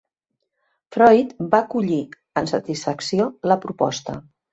Freud va acollir amb satisfacció la proposta.